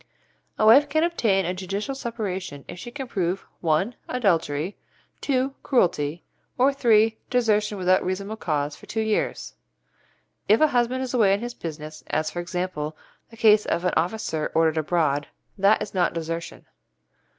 A wife can obtain a judicial separation if she can prove (1) adultery, (2) cruelty, or (3) desertion without reasonable cause for two years. If a husband is away on his business, as, for example, the case of an officer ordered abroad, that is not desertion.